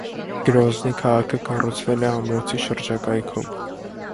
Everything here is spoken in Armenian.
Գրոզնի քաղաքը կառուցվել է ամրոցի շրջակայքում։